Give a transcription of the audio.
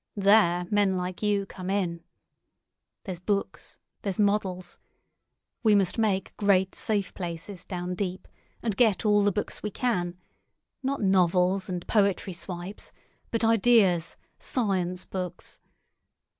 There men like you come in. There's books, there's models. We must make great safe places down deep, and get all the books we can; not novels and poetry swipes, but ideas, science books.